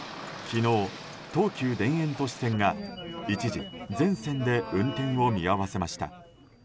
昨日、東急田園都市線が、一時全線で運転を見合わせました。